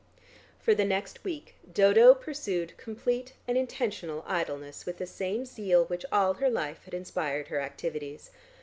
For the next week Dodo pursued complete and intentional idleness with the same zeal which all her life had inspired her activities.